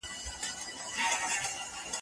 که پوهنتون اصول ولري، څېړنه به ښه پر مخ لاړه سي.